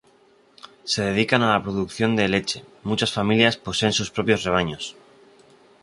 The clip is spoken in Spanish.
Se dedican a la producción de leche, muchas familias poseen sus propios rebaños.